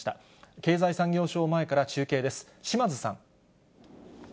経済産業省前から中継です、島津さん。